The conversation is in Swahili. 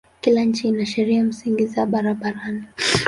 Kila nchi ina sheria msingi za barabarani.